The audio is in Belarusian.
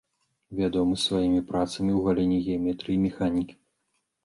Вядомы сваімі працамі ў галіне геаметрыі і механікі.